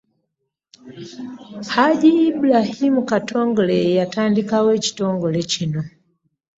Hajji Ibrahim Katongole y'eyatandikawo ekitongole kino.